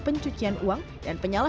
mereka yang bersekolah